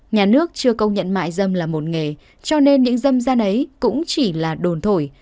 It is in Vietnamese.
nhà nước chưa công nhận mại dâm là một nghề cho nên những dâm gian ấy cũng chỉ là đồn thổi